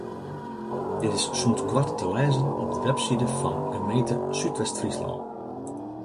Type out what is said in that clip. Dit is sûnt koart te lêzen op de webside fan gemeente Súdwest-Fryslân.